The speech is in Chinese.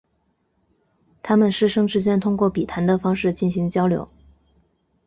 他们师生之间通过笔谈的方式进行交流。